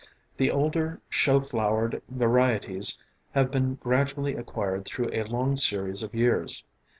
The older show flowered varieties have been gradually acquired through a long series of years.